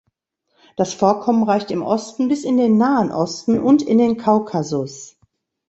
Das Vorkommen reicht im Osten bis in den Nahen Osten und in den Kaukasus.